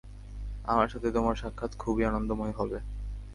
আমার সাথে তোমার সাক্ষাৎ খুবই আনন্দময় হবে।